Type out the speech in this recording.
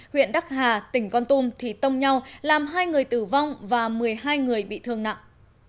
huyện đắc hà tỉnh con tum thì tông nhau làm hai người tử vong và một mươi hai người bị thương nặng